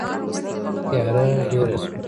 تیاره ډېره شوه.